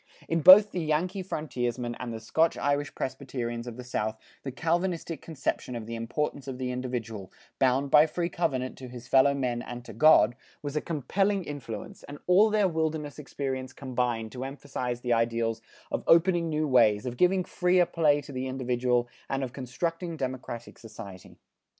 In both the Yankee frontiersmen and the Scotch Irish Presbyterians of the South, the Calvinistic conception of the importance of the individual, bound by free covenant to his fellow men and to God, was a compelling influence, and all their wilderness experience combined to emphasize the ideals of opening new ways, of giving freer play to the individual, and of constructing democratic society.